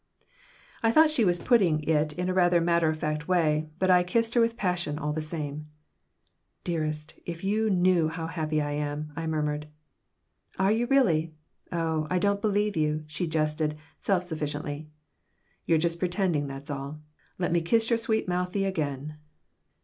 I thought she was putting it in a rather matter of fact way, but I kissed her with passion, all the same "Dearest! If you knew how happy I am," I murmured "Are you really? Oh, I don't believe you," she jested, self sufficiently. "You're just pretending, that's all. Let me kiss your sweet mouthie again."